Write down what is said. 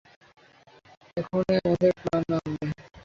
এখনই আমাদের প্লেন নামবে।